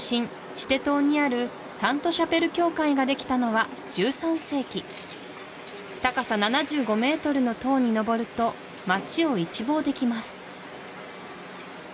シテ島にあるサント・シャペル教会ができたのは１３世紀高さ７５メートルの塔にのぼると町を一望できます